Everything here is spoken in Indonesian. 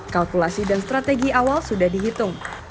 kalkulasi dan strategi awal sudah dihitung